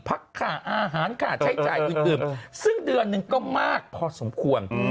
พักค่าอาหารค่าใช้จ่ายอื่นซึ่งเดือนหนึ่งก็มากพอสมควร